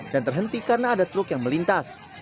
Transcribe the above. dan terhenti karena ada truk yang melintas